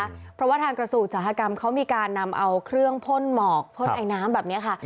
เพราะว่าทางกระทรวงอุตสาหกรรมเขามีการนำเอาเครื่องพ่นหมอกพ่นไอน้ำแบบนี้ค่ะ